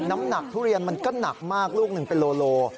น้ำหนักทุเรียนมันก็หนักมากลูกหนึ่งเป็นโล